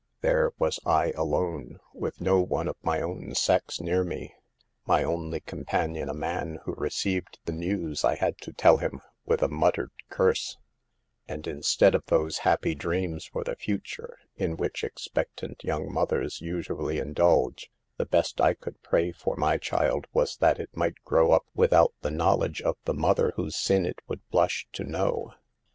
There was I alone, with no one of my own sex near me, my only companion a man who re ceived the news I had to tell him with a mut tered curse; and instead of those happy dreams for the future in which expectant young mothers usually indulge, the best I could pray for my child was that it might grow up without the knowledge of the mother whose sin it would blush to know.